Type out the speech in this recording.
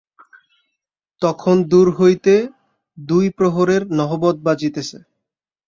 তখন দূর হইতে দুই প্রহরের নহবৎ বাজিতেছে।